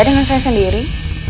ya dengan saya sendiri